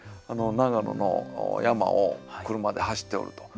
長野の山を車で走っておると。